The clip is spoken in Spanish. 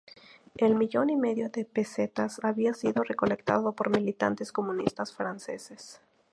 El millón y medio de pesetas había sido recolectado por militantes comunistas franceses.